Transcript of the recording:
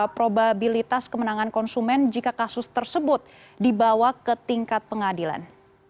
probabilitas kemenangan konsumen jika kasus tersebut dibawa ke tingkat pengadilan